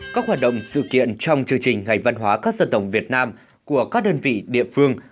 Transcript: các hoạt động sự kiện trong chương trình ngày văn hóa các dân tộc việt nam của các đơn vị địa phương